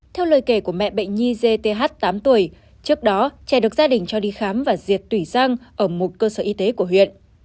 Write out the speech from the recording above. theo lời kể của mẹ bệnh nhi g th tám tuổi trước đó trẻ được gia đình cho đi khám và diệt tủy răng ở một cơ sở y tế của huyện